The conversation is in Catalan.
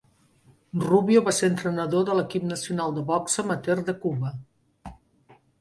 Rubio va ser entrenador de l'equip nacional de boxa amateur de Cuba.